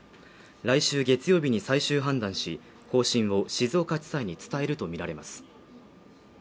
来週月曜日に最終判断し、方針を静岡地裁に伝えるとみられます。